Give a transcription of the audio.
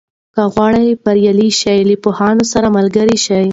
که غواړې بریالی شې، له پوهانو سره ملګری شه.